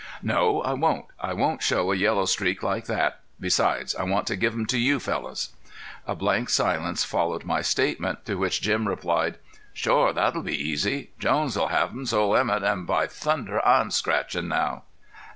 "No I won't; I won't show a yellow streak like that. Besides, I want to give 'em to you fellows." A blank silence followed my statement, to which Jim replied: "Shore that'll be easy; Jones'll have 'em, so'll Emett, an' by thunder I'm scratchin' now."